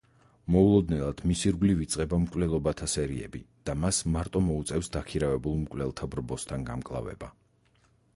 მოულოდნელად მის ირგვლივ იწყება მკვლელობათა სერიები და მას მარტო მოუწევს დაქირავებულ მკვლელთა ბრბოსთან გამკლავება.